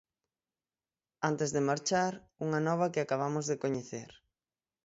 Antes de marchar, unha nova que acabamos de coñecer.